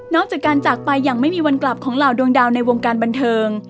จากการจากไปอย่างไม่มีวันกลับของเหล่าดวงดาวในวงการบันเทิง